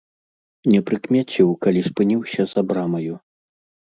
Не прыкмеціў, калі спыніўся за брамаю.